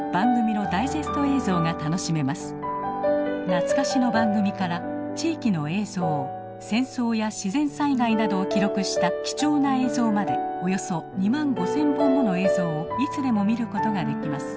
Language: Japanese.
懐かしの番組から地域の映像戦争や自然災害などを記録した貴重な映像までおよそ２万５，０００本もの映像をいつでも見ることができます。